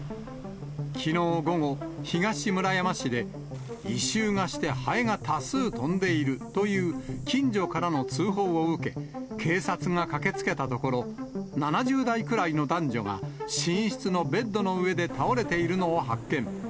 きのう午後、東村山市で、異臭がして、ハエが多数飛んでいるという近所からの通報を受け、警察が駆けつけたところ、７０代くらいの男女が、寝室のベッドの上で倒れているのを発見。